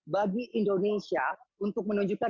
bagi indonesia untuk menunjukkan